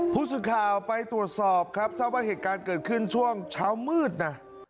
ผู้สื่อข่าวไปตรวจสอบครับทราบว่าเหตุการณ์เกิดขึ้นช่วงเช้ามืดนะ